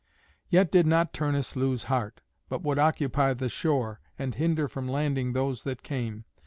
Yet did not Turnus lose heart, but would occupy the shore, and hinder from landing those that came.